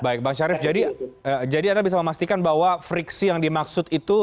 baik bang syarif jadi anda bisa memastikan bahwa friksi yang dimaksud itu